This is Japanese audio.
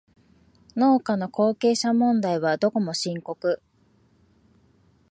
農家の後継者問題はどこも深刻